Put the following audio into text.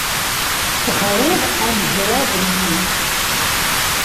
Taɣriḍ amagrad-nni?